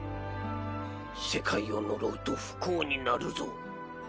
世界を呪うと不幸になるぞ。